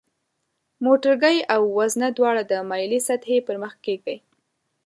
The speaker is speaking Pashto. موټرګی او وزنه دواړه د مایلې سطحې پر مخ کیږدئ.